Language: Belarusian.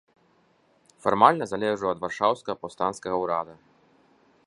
Фармальна залежаў ад варшаўскага паўстанцкага ўрада.